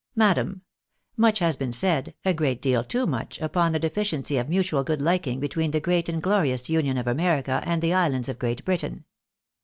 " Madam, — Much has been said, a great deal too much, upon the deficiency of mutual good liking between the great and glorious Union of America and the Islands of Great Britain.